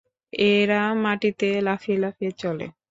এরা মাটিতে লাফিয়ে লাফিয়ে চলে।